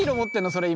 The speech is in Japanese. それ今。